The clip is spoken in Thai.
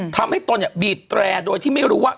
ตนเนี่ยบีบแตรโดยที่ไม่รู้ว่า